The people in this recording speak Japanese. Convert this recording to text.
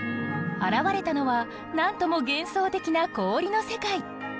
現れたのはなんとも幻想的な氷の世界。